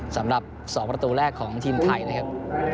สำหรับ๒ประตูแรกของทีมไทยนะครับ